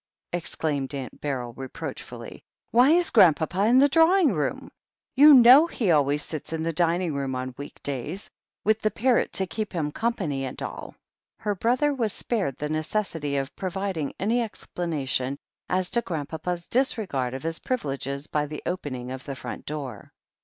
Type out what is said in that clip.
exclaimed Aunt Befyl reproachfully, "why is Grandpapa in the drawing room ? You know he always sits in the dining room on week days. With the parrot to keep him company and all." Her brother was spared the necessity of providing any explanation as to Grandpapa's disregard of his privileges by the opening of the front door.